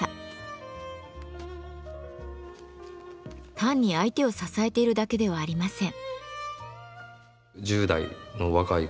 単に相手を支えているだけではありません。